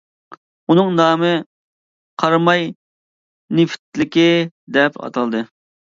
ئۇنىڭ نامى قاراماي نېفىتلىكى دەپ ئاتالدى.